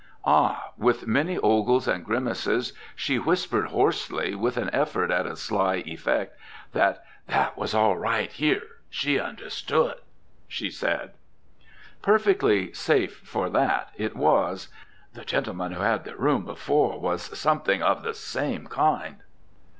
Ah! With many ogles and grimaces, she whispered hoarsely, with an effort at a sly effect, that "that was all right here. She understood," she said. Perfectly "safe place for that," it was. "The gentlemen who had the room before were something of the same kind."